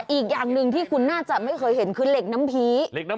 อีกอย่างหนึ่งที่คุณน่าจะไม่เคยเห็นคือเหล็กน้ำผี